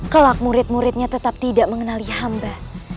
kelak murid muridnya tetap tidak mengenali hamba